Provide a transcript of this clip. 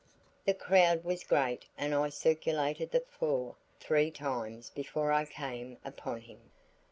The crowd was great and I circulated the floor three times before I came upon him.